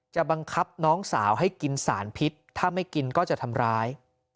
จะบังคับน้องสาวให้กินสารพิษถ้าไม่กินก็จะทำร้าย